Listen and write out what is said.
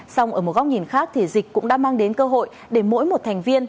xong ở một góc nhìn khác thì dịch cũng đã mang đến cơ hội để mỗi một thành viên